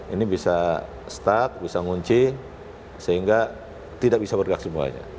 ini bisa stuck bisa ngunci sehingga tidak bisa bergerak semuanya